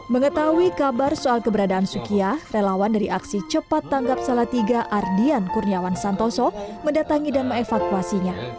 mengetahui kabar soal keberadaan sukiyah relawan dari aksi cepat tanggap salah tiga ardian kurniawan santoso mendatangi dan mengevakuasinya